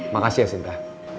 makasih ya sinta